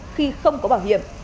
khi không có bảo hiểm